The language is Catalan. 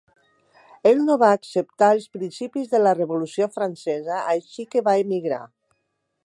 Ell no va acceptar els principis de la Revolució Francesa, així que va emigrar.